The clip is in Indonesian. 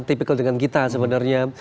tipikal dengan kita sebenarnya